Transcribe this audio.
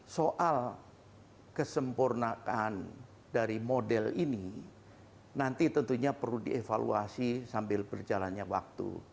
soal kesempurnaan dari model ini nanti tentunya perlu dievaluasi sambil berjalannya waktu